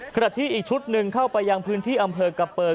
ขณะที่อีกชุดหนึ่งเข้าไปยังพื้นที่อำเภอกะเปิก